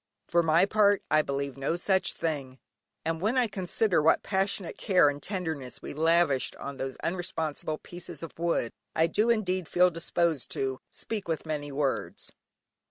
For my part I believe no such thing, and when I consider what passionate care and tenderness we lavished on those unresponsive pieces of wood, I do indeed feel disposed to "speak with many words."